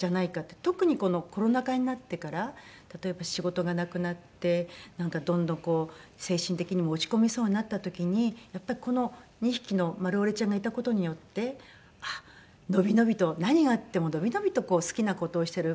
特にこのコロナ禍になってから例えば仕事がなくなってなんかどんどんこう精神的にも落ち込みそうになった時にやっぱりこの２匹のマルオレちゃんがいた事によって伸び伸びと何があっても伸び伸びとこう好きな事をしてる。